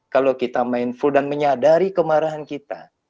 kalau kita mindful dan menyadari kemarahan kita